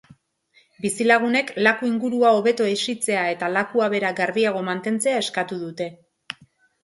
Bizilagunek laku ingurua hobeto hesitzea eta lakua bera garbiago mantentzea eskatu dute.